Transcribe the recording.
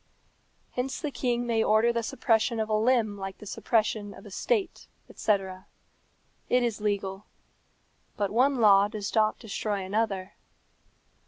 Hence the king may order the suppression of a limb like the suppression of a state, etc. It is legal. But one law does not destroy another.